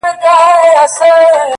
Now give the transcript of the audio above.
زه به دي تل په ياد کي وساتمه ـ